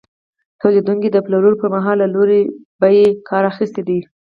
تولیدونکي د پلورلو پر مهال له لوړې بیې کار اخیستی دی